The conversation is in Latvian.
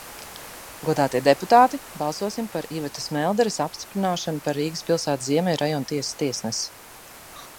Godātie deputāti, balsosim par Ivetas Melderes apstiprināšanu par Rīgas pilsētas Ziemeļu rajona tiesas tiesnesi.